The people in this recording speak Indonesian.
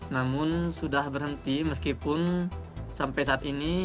namun sudah berhenti meskipun sampai saat ini